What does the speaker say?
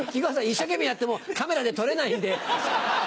一生懸命やってもカメラで撮れないんで。